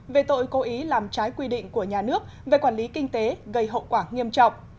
về tội cố ý làm trái quy định của nhà nước về quản lý kinh tế gây hậu quả nghiêm trọng